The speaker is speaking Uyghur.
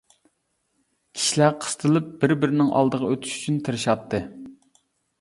كىشىلەر قىستىلىپ بىر-بىرىنىڭ ئالدىغا ئۆتۈش ئۈچۈن تىرىشاتتى.